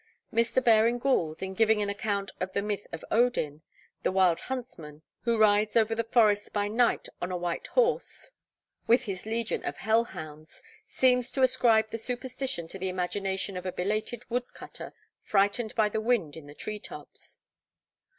Mr. Baring Gould, in giving an account of the myth of Odin, the Wild Huntsman, who rides over the forests by night on a white horse, with his legion of hell hounds, seems to ascribe the superstition to the imagination of a belated woodcutter frightened by the wind in the tree tops.